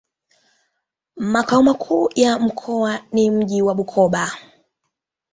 Makao makuu ya mkoa ni mji wa Bukoba.